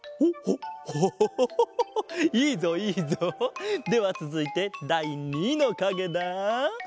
ほうほうオホホホホいいぞいいぞ！ではつづいてだい２のかげだ。